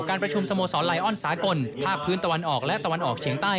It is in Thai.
ประชุมสโมสรไลออนสากลภาคพื้นตะวันออกและตะวันออกเฉียงใต้